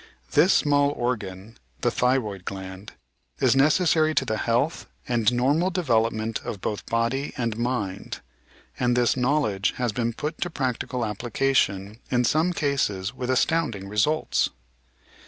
This small organ, the thyroid gland, is necessary to the health and normal develop ment of both body and mind, and this knowledge has been put to practical application in some cases with astounding results.